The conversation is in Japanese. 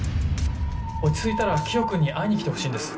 落ち着いたらキヨ君に会いに来てほしいんです。